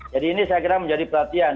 jadi ini saya kira menjadi perhatian